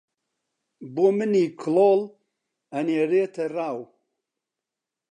بۆ منی کڵۆڵ ئەنێریتە ڕاو